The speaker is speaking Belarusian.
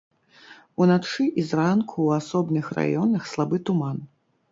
Уначы і зранку ў асобных раёнах слабы туман.